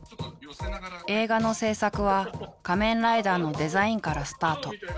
映画の制作は仮面ライダーのデザインからスタート。